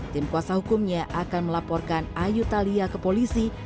tim kuasa hukumnya akan melaporkan ayu thalia ke polisi